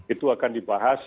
itu akan dibahas